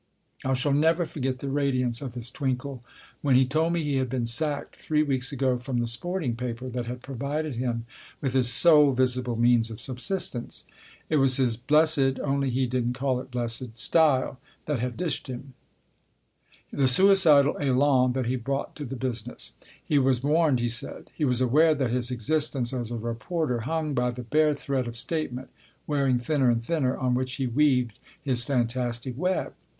I shall never forget the radiance of his twinkle when he told me he had been sacked three weeks ago from the sporting paper that had provided him with his sole visible means of subsistence. It was his blessed (only he didn't call it blessed) style that had dished him : the suicidal elan that he brought to the business. He was warned, he said. He was aware that his existence as a reporter hung by the bare thread of statement (wearing thinner and thinner) on which he weaved his fantastic web.